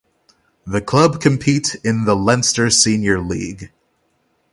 The club compete in the Leinster Senior League.